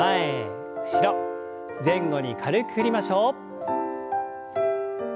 前後に軽く振りましょう。